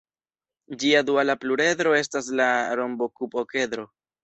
Ĝia duala pluredro estas la rombokub-okedro.